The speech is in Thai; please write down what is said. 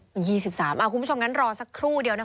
คุณผู้ชมกันรอสักครู่เดียว